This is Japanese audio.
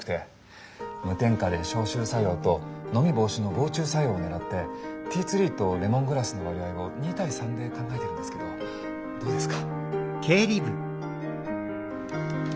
無添加で消臭作用とノミ防止の防虫作用をねらってティーツリーとレモングラスの割合を２対３で考えてるんですけどどうですか？